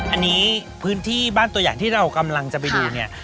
อันนี้พื้นที่บ้านตัวอย่างที่เรากำลังจะไปดูเนี่ย